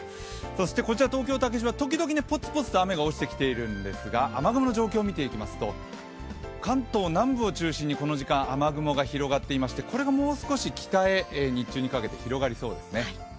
こちら東京・竹芝ときどき雨が落ちてきているんですが雨雲の状況、見ていきますと関東南部を中心にこの時間、雨雲が広がっていましてこれがもう少し北へ日中にかけて広がりそうです。